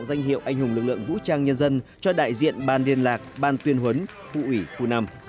danh hiệu anh hùng lực lượng vũ trang nhân dân cho đại diện ban liên lạc ban tuyên huấn vụ ủy khu năm